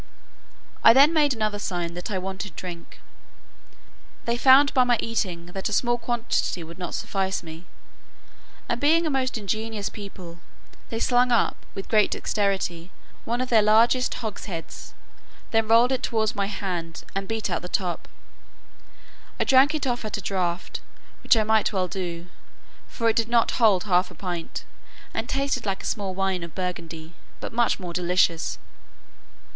I then made another sign, that I wanted drink. They found by my eating that a small quantity would not suffice me; and being a most ingenious people, they slung up, with great dexterity, one of their largest hogsheads, then rolled it towards my hand, and beat out the top; I drank it off at a draught, which I might well do, for it did not hold half a pint, and tasted like a small wine of Burgundy, but much more delicious.